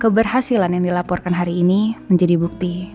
keberhasilan yang dilaporkan hari ini menjadi bukti